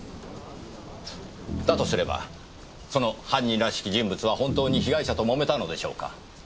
だとすればその犯人らしき人物は本当に被害者と揉めたのでしょうか？